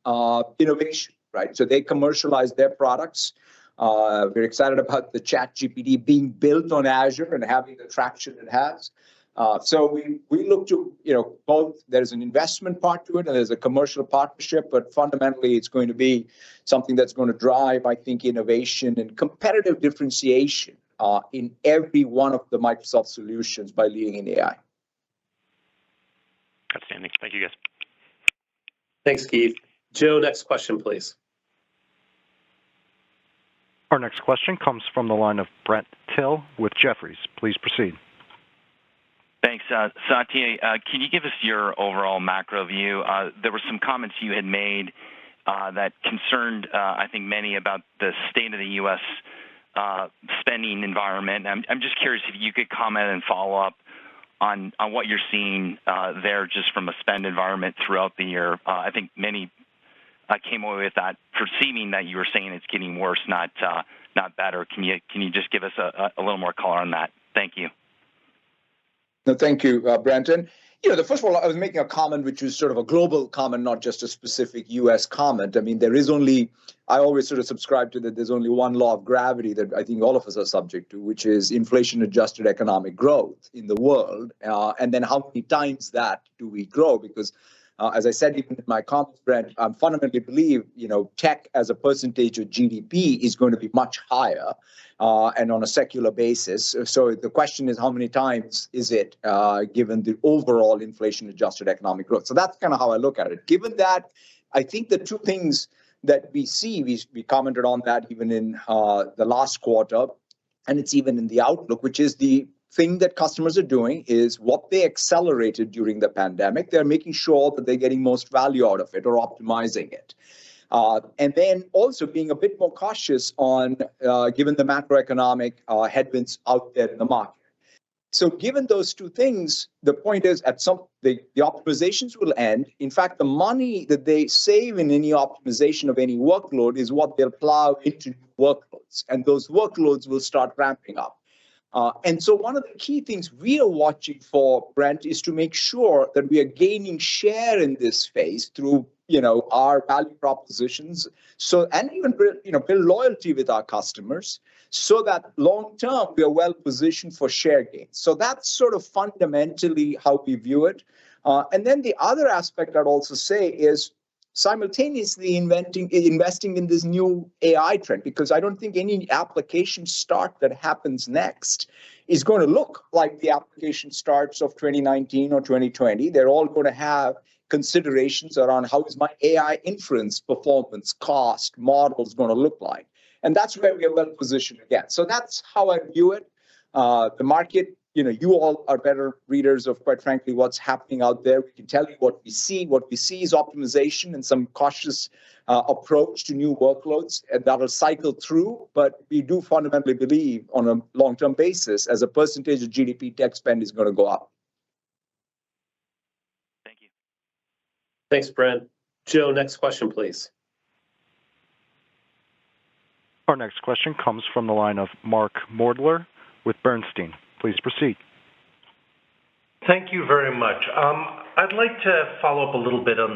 S3: innovation, right? They commercialize their products. We're excited about the ChatGPT being built on Azure and having the traction it has. We, we look to, you know, both there's an investment part to it and there's a commercial partnership, but fundamentally it's going to be something that's gonna drive, I think, innovation and competitive differentiation in every one of the Microsoft solutions by leaning in AI.
S5: Outstanding. Thank you guys.
S2: Thanks, Keith. Joe, next question, please.
S1: Our next question comes from the line of Brent Thill with Jefferies. Please proceed.
S6: Thanks. Satya, can you give us your overall macro view? There were some comments you had made that concerned, I think many about the state of the U.S., spending environment. I'm just curious if you could comment and follow up on what you're seeing there just from a spend environment throughout the year. I think many came away with that perceiving that you were saying it's getting worse, not better. Can you just give us a little more color on that? Thank you.
S3: No, thank you, Brent Thill. You know, the first of all, I was making a comment which was sort of a global comment, not just a specific U.S. comment. I mean, there is only I always sort of subscribe to that there's only one law of gravity that I think all of us are subject to, which is inflation-adjusted economic growth in the world. Then how many times that do we grow? Because as I said even in my comp spread, I fundamentally believe, you know, tech as a percentage of GDP is going to be much higher, and on a secular basis. The question is how many times is it, given the overall inflation-adjusted economic growth? That's kinda how I look at it. Given that, I think the two things that we see, we commented on that even in the last quarter. It's even in the outlook, which is the thing that customers are doing is what they accelerated during the pandemic. They're making sure that they're getting most value out of it or optimizing it. Also being a bit more cautious on given the macroeconomic headwinds out there in the market. Given those two things, the point is at some-- the optimizations will end. In fact, the money that they save in any optimization of any workload is what they'll plow into workloads, and those workloads will start ramping up. One of the key things we are watching for, Brent Thill, is to make sure that we are gaining share in this phase through, you know, our value propositions. So and even you know, build loyalty with our customers so that long term we are well-positioned for share gains. That's sort of fundamentally how we view it. The other aspect I'd also say is simultaneously investing in this new AI trend, because I don't think any application start that happens next is gonna look like the application starts of 2019 or 2020. They're all gonna have considerations around how is my AI inference performance cost models gonna look like? That's where we are well-positioned again. That's how I view it. The market, you know, you all are better readers of, quite frankly, what's happening out there. We can tell you what we see. What we see is optimization and some cautious approach to new workloads, and that'll cycle through. We do fundamentally believe on a long-term basis as a percentage of GDP, tech spend is gonna go up.
S6: Thank you.
S2: Thanks, Brent. Joe, next question please.
S1: Our next question comes from the line of Mark Moerdler with Bernstein. Please proceed.
S7: Thank you very much. I'd like to follow up a little bit on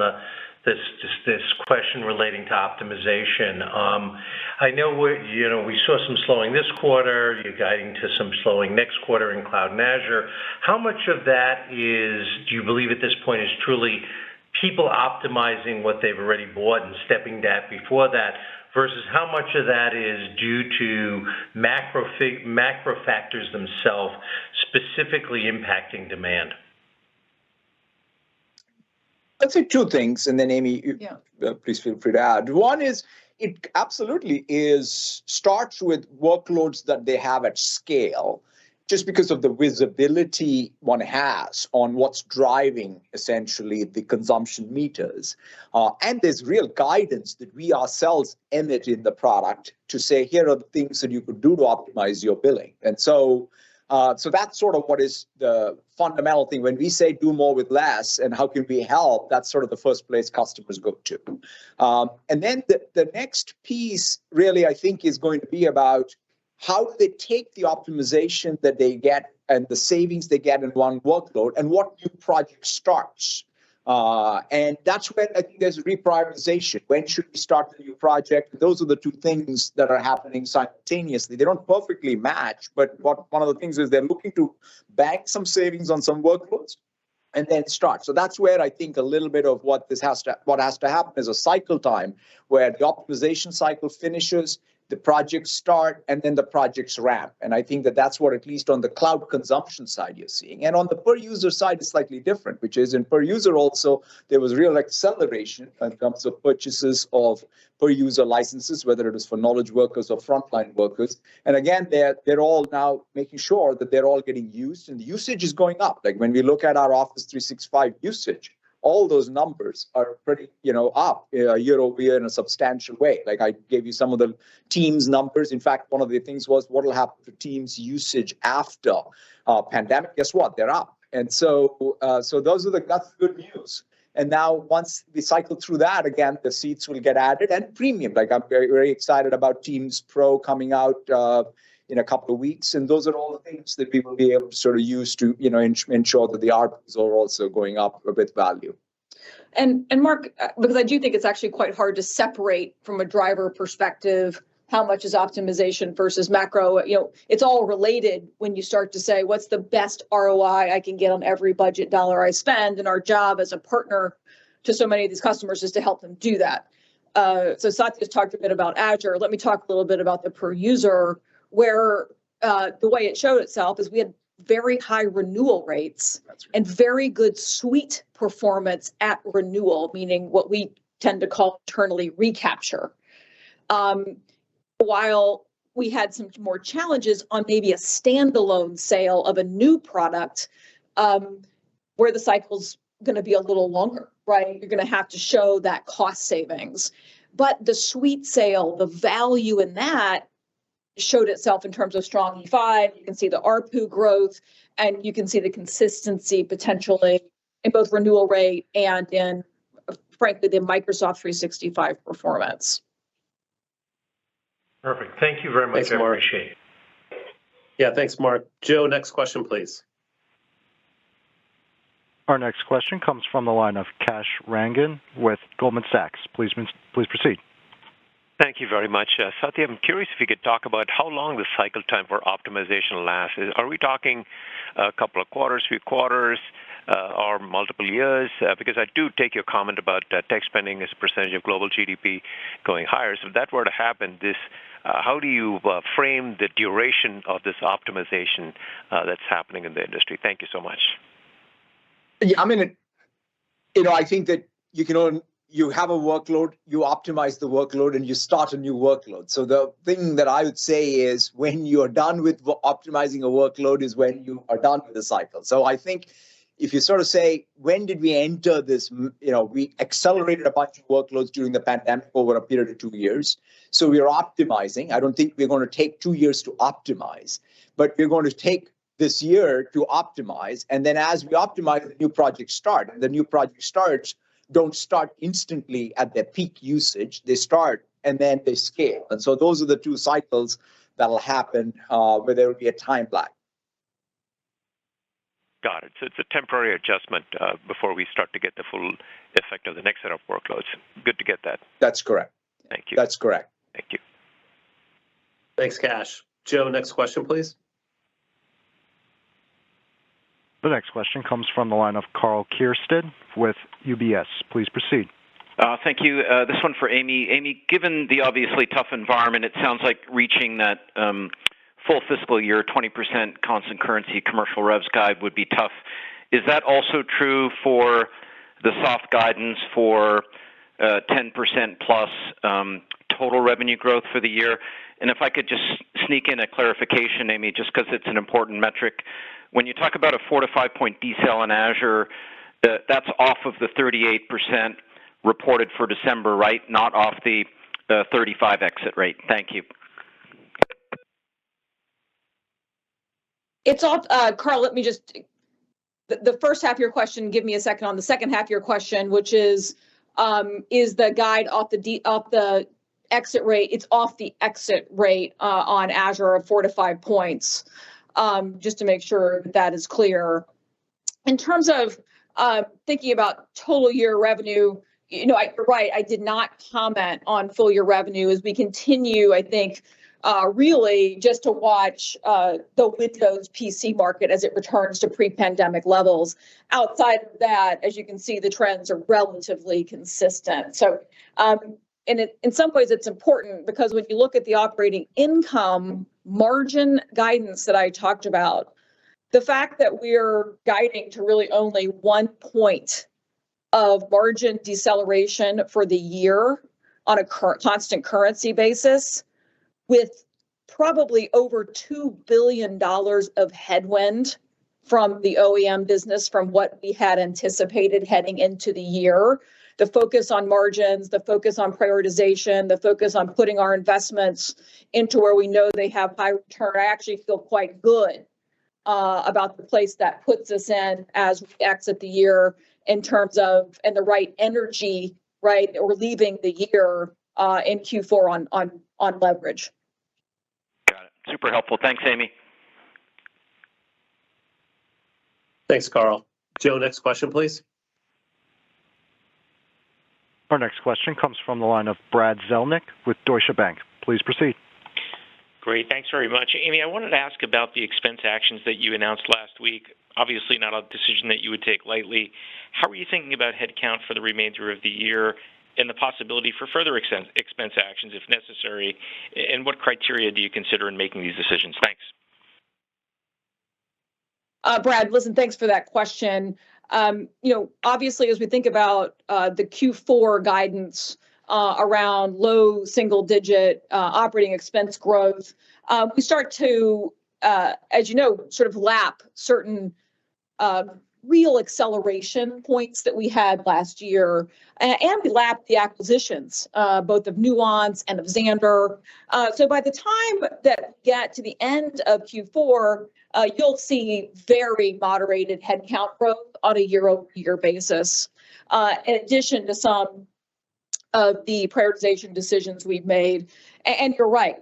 S7: this question relating to optimization. I know you know, we saw some slowing this quarter. You're guiding to some slowing next quarter in Cloud and Azure. How much of that is do you believe at this point is truly people optimizing what they've already bought and stepping down before that versus how much of that is due to macro factors themselves specifically impacting demand?
S3: I'd say two things, and then Amy-
S4: Yeah....
S3: please feel free to add. One is it absolutely is starts with workloads that they have at scale just because of the visibility one has on what's driving essentially the consumption meters. There's real guidance that we ourselves embed in the product to say, "Here are the things that you could do to optimize your billing." That's sort of what is the fundamental thing. When we say do more with less and how can we help, that's sort of the first place customers go to. Then the next piece really I think is going to be about how do they take the optimization that they get and the savings they get in one workload and what new project starts. That's where I think there's reprioritization. When should we start the new project? Those are the two things that are happening simultaneously. They don't perfectly match, but one of the things is they're looking to bank some savings on some workloads and then start. That's where I think a little bit of what has to happen is a cycle time where the optimization cycle finishes, the projects start, the projects ramp. I think that that's what at least on the cloud consumption side you're seeing. On the per user side, it's slightly different, which is in per user also, there was real acceleration when it comes to purchases of per user licenses, whether it is for knowledge workers or frontline workers. Again, they're all now making sure that they're all getting used and the usage is going up. Like, when we look at our Office 365 usage, all those numbers are pretty, you know, up year-over-year in a substantial way. Like I gave you some of the Teams numbers. In fact, one of the things was what'll happen to Teams usage after pandemic. Guess what? They're up. So those are the... that's good news. Once we cycle through that again, the seats will get added and premium. Like I'm very, very excited about Teams Premium coming out in a couple of weeks. Those are all the things that people will be able to sort of use to, you know, ensure that the ARPs are also going up with value.
S4: Mark, because I do think it's actually quite hard to separate from a driver perspective how much is optimization versus macro. You know, it's all related when you start to say, "What's the best ROI I can get on every budget dollar I spend?" Our job as a partner to so many of these customers is to help them do that. Satya's talked a bit about Azure. Let me talk a little bit about the per user, where, the way it showed itself is we had very high renewal rates.
S3: That's right.
S4: Very good suite performance at renewal, meaning what we tend to call internally recapture. While we had some more challenges on maybe a standalone sale of a new product, where the cycle's gonna be a little longer, right? You're gonna have to show that cost savings. The suite sale, the value in that showed itself in terms of strong E5. You can see the ARPU growth, and you can see the consistency potentially in both renewal rate and in, frankly, the Microsoft 365 performance.
S7: Perfect. Thank you very much.
S2: Thanks, Mark.
S7: I appreciate it.
S2: Yeah. Thanks, Mark. Joe, next question please.
S1: Our next question comes from the line of Kash Rangan with Goldman Sachs. Please proceed.
S8: Thank you very much. Satya, I'm curious if you could talk about how long the cycle time for optimization lasts. Are we talking a couple of quarters, few quarters, or multiple years? Because I do take your comment about tech spending as a % of global GDP going higher. If that were to happen, this, how do you frame the duration of this optimization that's happening in the industry? Thank you so much.
S3: Yeah, I mean, you know, I think that you have a workload, you optimize the workload, and you start a new workload. The thing that I would say is, when you're done with optimizing a workload is when you are done with the cycle. I think if you sort of say, when did we enter this You know, we accelerated a bunch of workloads during the pandemic over a period of two years, so we are optimizing. I don't think we're gonna take two years to optimize, but we're going to take this year to optimize, and then as we optimize, the new projects start. The new project starts, don't start instantly at their peak usage, they start, and then they scale. Those are the two cycles that'll happen, where there will be a time lag.
S8: Got it. It's a temporary adjustment, before we start to get the full effect of the next set of workloads. Good to get that.
S3: That's correct.
S8: Thank you.
S3: That's correct.
S8: Thank you.
S2: Thanks, Kash. Joe, next question, please.
S1: The next question comes from the line of Karl Keirstead with UBS. Please proceed.
S9: Thank you. This one for Amy. Amy, given the obviously tough environment, it sounds like reaching that, full fiscal year, 20% constant currency commercial revs guide would be tough. Is that also true for the soft guidance for 10%+ total revenue growth for the year? If I could just sneak in a clarification, Amy, just 'cause it's an important metric. When you talk about a 4-5-point decel in Azure, that's off of the 38% reported for December, right? Not off the 35 exit rate. Thank you.
S4: Karl, let me just... The first half of your question, give me a second. On the second half of your question, which is the guide off the exit rate, it's off the exit rate on Azure of 4-5 points, just to make sure that is clear. In terms of thinking about total year revenue, you know, you're right, I did not comment on full year revenue. As we continue, I think, really just to watch the Windows PC market as it returns to pre-pandemic levels. Outside of that, as you can see, the trends are relatively consistent. In some ways, it's important because when you look at the operating income margin guidance that I talked about, the fact that we're guiding to really only 1 point of margin deceleration for the year on a constant currency basis, with probably over $2 billion of headwind from the OEM business from what we had anticipated heading into the year, the focus on margins, the focus on prioritization, the focus on putting our investments into where we know they have high return, I actually feel quite good about the place that puts us in as we exit the year in terms of, and the right energy, right? We're leaving the year in Q4 on leverage.
S9: Got it. Super helpful. Thanks, Amy.
S2: Thanks, Karl. Joe, next question, please.
S1: Our next question comes from the line of Brad Zelnick with Deutsche Bank. Please proceed.
S10: Great. Thanks very much. Amy, I wanted to ask about the expense actions that you announced last week. Obviously, not a decision that you would take lightly. How are you thinking about headcount for the remainder of the year and the possibility for further expense actions, if necessary, and what criteria do you consider in making these decisions? Thanks.
S4: Brad, listen, thanks for that question. You know, obviously, as we think about the Q4 guidance around low single digit operating expense growth, we start to, as you know, sort of lap certain real acceleration points that we had last year. We lap the acquisitions, both of Nuance and of Xandr. By the time that we get to the end of Q4, you'll see very moderated headcount growth on a year-over-year basis, in addition to some of the prioritization decisions we've made. You're right,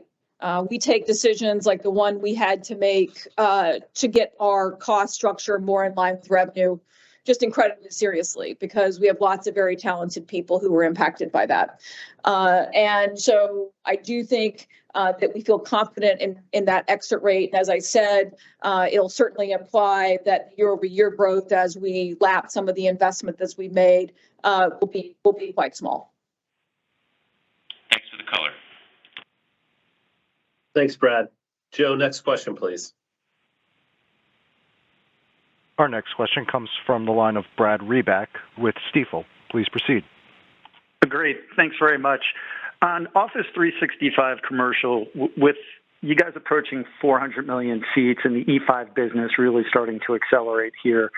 S4: we take decisions like the one we had to make to get our cost structure more in line with revenue just incredibly seriously, because we have lots of very talented people who were impacted by that. I do think that we feel confident in that exit rate. As I said, it'll certainly imply that year-over-year growth as we lap some of the investments we made, will be quite small.
S10: Thanks for the color.
S2: Thanks, Brad. Joe, next question please.
S1: Our next question comes from the line of Brad Reback with Stifel. Please proceed.
S11: Great. Thanks very much. On Office 365 Commercial, with you guys approaching 400 million seats and the E5 business really starting to accelerate here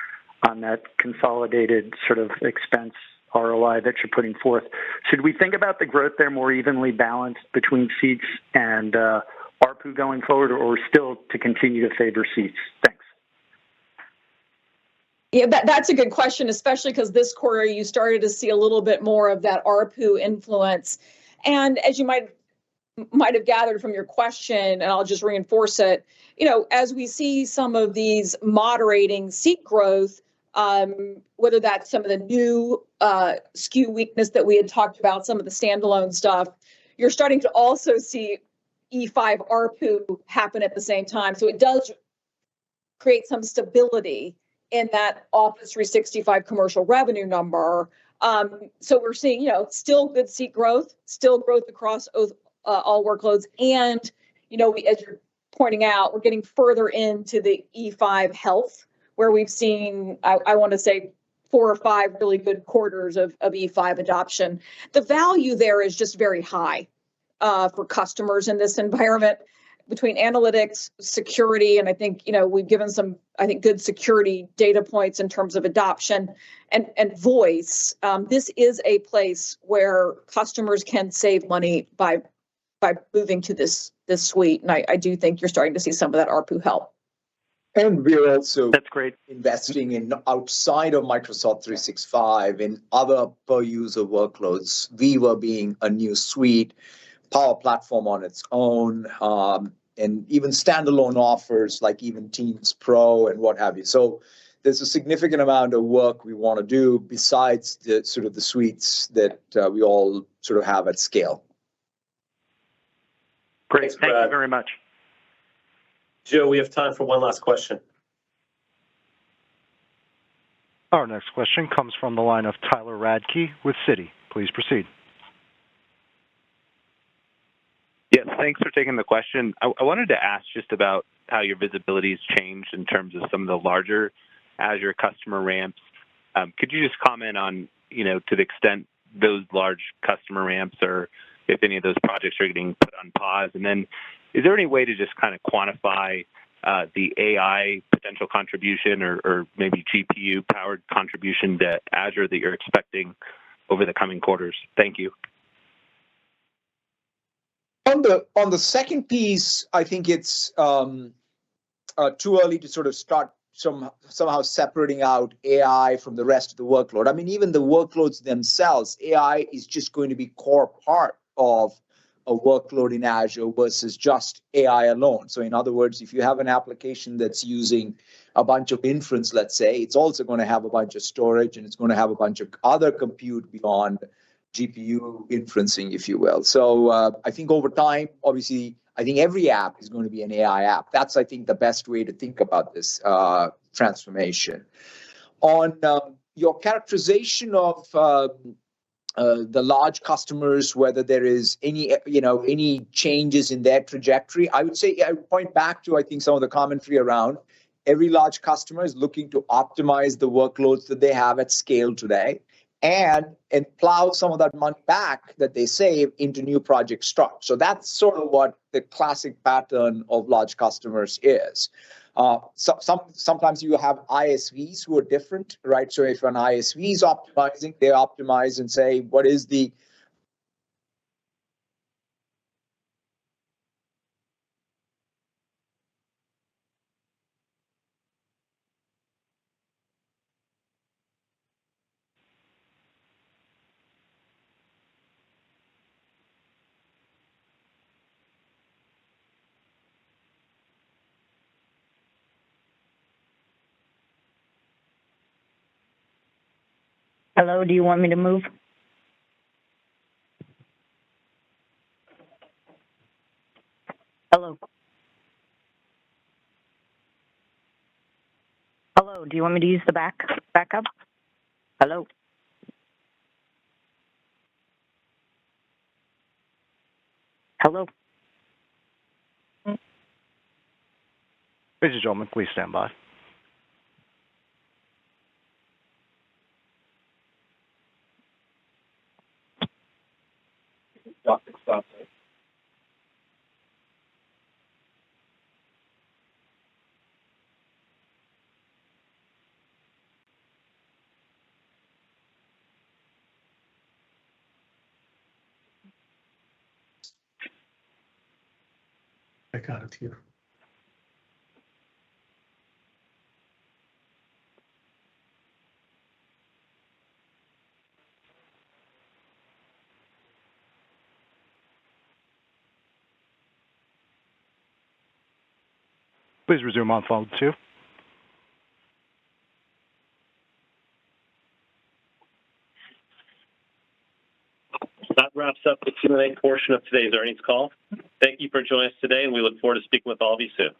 S11: on that consolidated sort of expense ROI that you're putting forth, should we think about the growth there more evenly balanced between seats and ARPU going forward, or still to continue to favor seats? Thanks.
S4: Yeah, that's a good question, especially 'cause this quarter you started to see a little bit more of that ARPU influence. As you might have gathered from your question, and I'll just reinforce it, you know, as we see some of these moderating seat growth, whether that's some of the new SKU weakness that we had talked about, some of the standalone stuff, you're starting to also see E5 ARPU happen at the same time. It does create some stability in that Office 365 commercial revenue number. we're seeing, you know, still good seat growth, still growth across all workloads, and, you know, as you're. Pointing out we're getting further into the E5 health where we've seen, I wanna say four or five really good quarters of E5 adoption. The value there is just very high for customers in this environment between analytics, security, and I think, you know, we've given some, I think, good security data points in terms of adoption and voice. This is a place where customers can save money by moving to this suite. I do think you're starting to see some of that ARPU help.
S3: we are also-
S11: That's great.
S3: Investing in outside of Microsoft 365 in other per user workloads. Viva being a new suite, Power Platform on its own, and even standalone offers like even Teams Premium and what have you. There's a significant amount of work we wanna do besides the sort of the suites that, we all sort of have at scale.
S11: Great. Thank you very much.
S2: Joe, we have time for one last question.
S1: Our next question comes from the line of Tyler Radke with Citi. Please proceed.
S12: Yes, thanks for taking the question. I wanted to ask just about how your visibility has changed in terms of some of the larger Azure customer ramps. Could you just comment on, you know, to the extent those large customer ramps or if any of those projects are getting put on pause? Is there any way to just kind of quantify the AI potential contribution or maybe GPU powered contribution that Azure you're expecting over the coming quarters? Thank you.
S3: On the second piece, I think it's too early to sort of start somehow separating out AI from the rest of the workload. I mean, even the workloads themselves, AI is just going to be core part of a workload in Azure versus just AI alone. In other words, if you have an application that's using a bunch of inference, let's say, it's also gonna have a bunch of storage, and it's gonna have a bunch of other compute beyond GPU inferencing, if you will. I think over time, obviously, I think every app is gonna be an AI app. That's, I think, the best way to think about this transformation. On your characterization of the large customers, whether there is any, you know, any changes in their trajectory, I would say I would point back to, I think, some of the commentary around every large customer is looking to optimize the workloads that they have at scale today and plow some of that money back that they save into new project. That's sort of what the classic pattern of large customers is. Sometimes you have ISVs who are different, right? If an ISV is optimizing, they optimize and say, what is the...
S4: Hello, do you want me to move? Hello? Hello, do you want me to use the back-backup? Hello?
S1: Ladies and gentlemen, please stand by.
S12: Stop it. Stop it. I got it here.
S1: Please resume on phone two.
S2: That wraps up the Q&A portion of today's earnings call. Thank you for joining us today, and we look forward to speaking with all of you soon.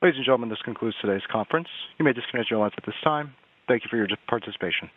S1: Ladies and gentlemen, this concludes today's conference. You may disconnect your lines at this time. Thank you for your participation.